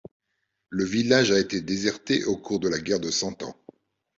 Le village a été déserté au cours de la guerre de Cent Ans.